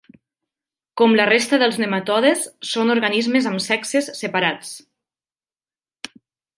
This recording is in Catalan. Com la resta dels nematodes són organismes amb sexes separats.